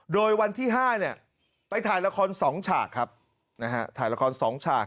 โดยวันที่๕ไปถ่ายละคร๒ฉากครับถ่ายละคร๒ฉาก